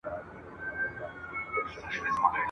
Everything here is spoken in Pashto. لوری مي نه پېژنم !.